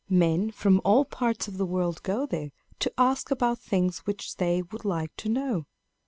Men from all parts of the world go there to ask about things which they would like to know.